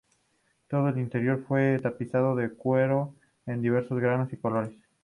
Todo el interior fue tapizado en cuero de diversos granos y colores.